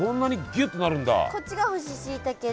こっちが干ししいたけで。